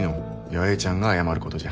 八重ちゃんが謝ることじゃ。